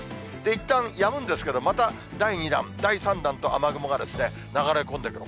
いったん、やむんですけど、また、第２弾、第３弾と雨雲が流れ込んでくる。